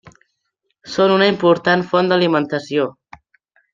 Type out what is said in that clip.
Són una important font d'alimentació.